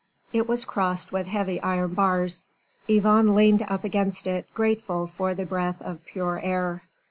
It was crossed with heavy iron bars. Yvonne leaned up against it, grateful for the breath of pure air.